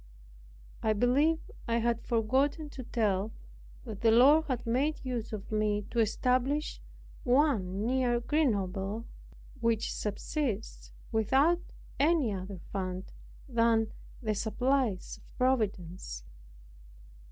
I believe I had forgotten to tell, that the Lord had made use of me to establish one near Grenoble, which subsists without any other fund than the supplies of Providence.